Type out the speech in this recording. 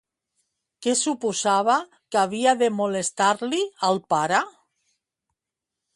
Què suposava que havia de molestar-li al pare?